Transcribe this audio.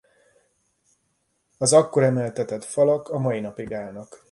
Az akkor emeltetett falak a mai napig állnak.